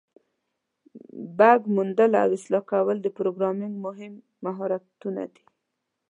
بګ موندل او اصلاح کول د پروګرامینګ مهم مهارتونه دي.